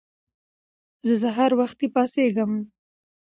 زه سهار وختی پاڅیږم